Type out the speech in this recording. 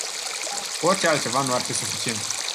Orice altceva nu ar fi suficient.